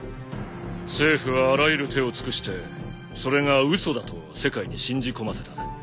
政府はあらゆる手を尽くしてそれが嘘だと世界に信じこませた。